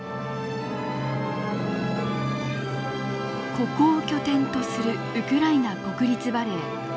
ここを拠点とするウクライナ国立バレエ。